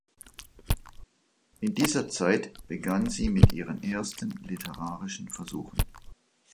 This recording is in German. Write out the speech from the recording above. In dieser Zeit begann sie mit ihren ersten literarischen Versuchen.